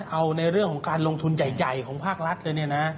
เอาในเรื่องของการลงทุนใหญ่ของภาครัฐเลยเนี่ยนะ